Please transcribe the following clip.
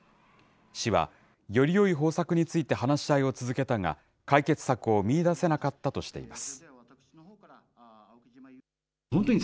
市は、よりよい方策について話し合いを続けたが、解決策を見いだせなかったとしています。